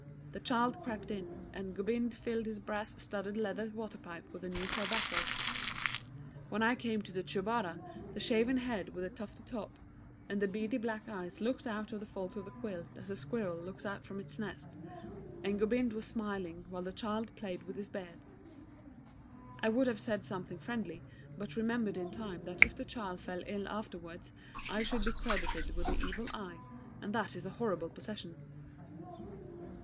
The child crept in, and Gobind filled his brass studded leather waterpipe with the new tobacco. When I came to the Chubara the shaven head with the tuft atop, and the beady black eyes looked out of the folds of the quilt as a squirrel looks out from his nest, and Gobind was smiling while the child played with his beard. I would have said something friendly, but remembered in time that if the child fell ill afterwards I should be credited with the Evil Eye, and that is a horrible possession.